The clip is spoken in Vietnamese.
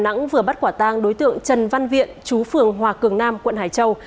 đà nẵng vừa bắt quả tang đối tượng trần văn viện chú phường hòa cường nam quận hải châu